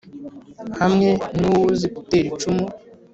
hamwe nuwuzi gutera icumu